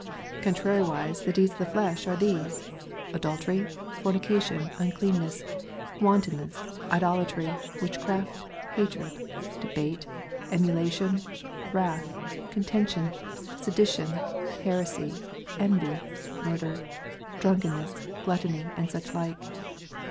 Contrari wise the deeds of the flesh are these : adultery, fornication, uncleanness, wantonness, idolatry, witchcraft, hatred, debate, emulation, wrath, contention, sedition, heresy, envy, murder, drunkenness, gluttony, and such like.